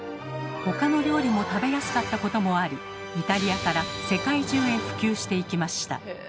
他の料理も食べやすかったこともありイタリアから世界中へ普及していきました。